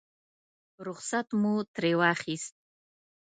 رخصت مو ترې واخیست.